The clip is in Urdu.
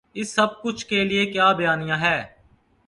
اس سب کچھ کے لیے کیا بیانیہ ہے۔